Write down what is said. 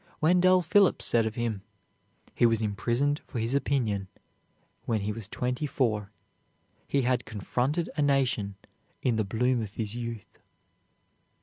Wendell Phillips said of him, "He was imprisoned for his opinion when he was twenty four. He had confronted a nation in the bloom of his youth."